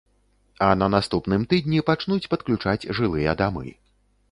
А на наступным тыдні пачнуць падключаць жылыя дамы.